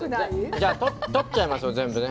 じゃあ取っちゃいましょう全部ね。